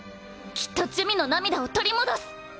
きっと珠魅の涙を取り戻す。